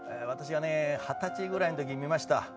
私はね二十歳ぐらいの時に見ました。